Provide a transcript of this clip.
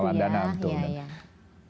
pengelolaan dana betul